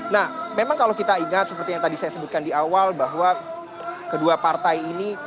nah memang kalau kita ingat seperti yang tadi saya sebutkan di awal bahwa kedua partai ini